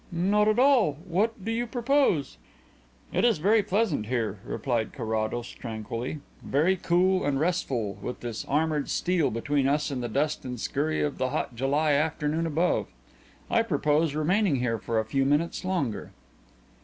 "Not at all. What do you propose?" "It is very pleasant here," replied Carrados tranquilly. "Very cool and restful with this armoured steel between us and the dust and scurry of the hot July afternoon above. I propose remaining here for a few minutes longer."